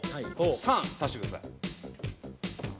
３足してください。